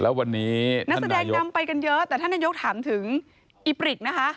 แล้ววันนี้นักแสดงดำไปกันเยอะแต่ท่านนายกถามถึงอีปริกนะคะ